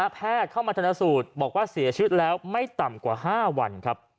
เข้ามาธนสูตรบอกว่าเสียชีวิตแล้วไม่ต่ำกว่า๕วัน